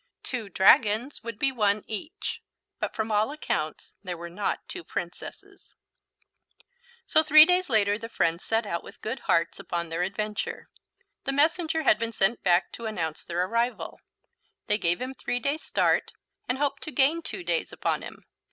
Two dragons would be one each. But from all accounts there were not two Princesses. So three days later the friends set out with good hearts upon the adventure. The messenger had been sent back to announce their arrival; they gave him three days' start, and hoped to gain two days upon him.